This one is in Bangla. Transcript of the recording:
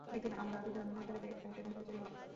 একদিন আমারা দুইজনে বেড়াইতে বেড়াইতে বহুদূরে চলিয়া গেলাম।